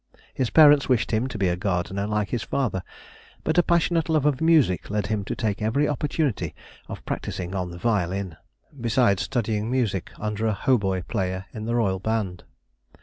His parents wished him to be a gardener like his father, but a passionate love of music led him to take every opportunity of practising on the violin, besides studying music under a hautboy player in the royal band.